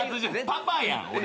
パパやん俺。